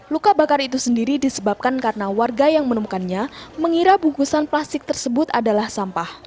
luka bakar itu sendiri disebabkan karena warga yang menemukannya mengira bungkusan plastik tersebut adalah sampah